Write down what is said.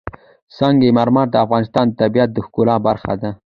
سنگ مرمر د افغانستان د طبیعت د ښکلا برخه ده.